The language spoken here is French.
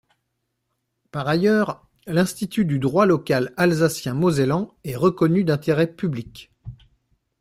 Par ailleurs, l’Institut du droit local alsacien-mosellan est reconnu d’intérêt public.